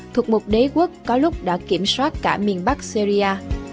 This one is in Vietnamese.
thuộc một đế quốc có lúc đã kiểm soát cả miền bắc syria